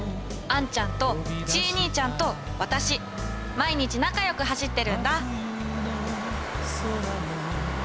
あんちゃんとチイ兄ちゃんと私毎日仲よく走ってるんだ。